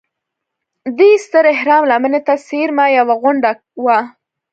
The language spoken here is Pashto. دې ستر اهرام لمنې ته څېرمه یوه غونډه وه.